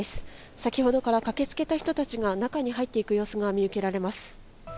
先ほどから駆けつけた人たちが中に入っていく様子が見受けられます。